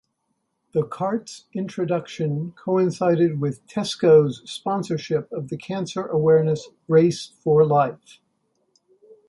The cart's introduction coincided with Tesco's sponsorship of the cancer awareness Race for Life.